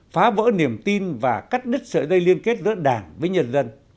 phá vỡ niềm tin và cắt nứt sợi dây liên kết giữa đảng với nhân dân